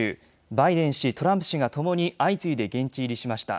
バイデン氏、トランプ氏がともに相次いで現地入りしました。